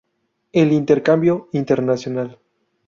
El intercambio internacional.